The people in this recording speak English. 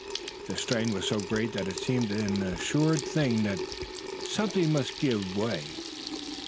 The strain was so great that it seemed an assured thing that something must give way.